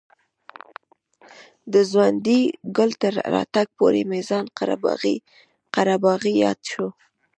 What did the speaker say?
د ځونډي ګل تر راتګ پورې مې خان قره باغي یاد شو.